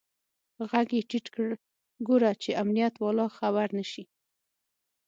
ږغ يې ټيټ کړ ګوره چې امنيت والا خبر نسي.